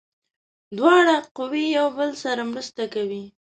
دواړه قوې یو بل سره مرسته کوي.